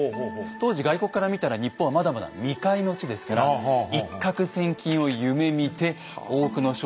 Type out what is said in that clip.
当時外国から見たら日本はまだまだ未開の地ですから一獲千金を夢みて多くの商人たちがやって来ていたんです。